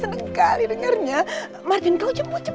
senang sekali dengarnya martin kau jemput cepat